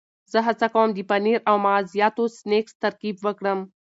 زه هڅه کوم د پنیر او مغزیاتو سنکس ترکیب وکړم.